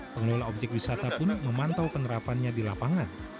pengelola objek wisata pun memantau penerapannya di lapangan